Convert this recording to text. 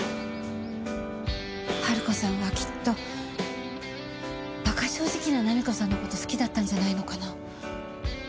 春子さんはきっと馬鹿正直な菜実子さんの事好きだったんじゃないのかな。